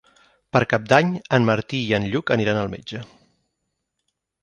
Per Cap d'Any en Martí i en Lluc aniran al metge.